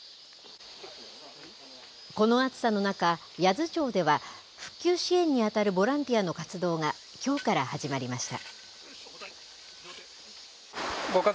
この暑さの中、八頭町では、復旧支援に当たるボランティアの活動が、きょうから始まりました。